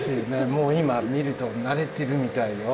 もう今見るとなれてるみたいよ。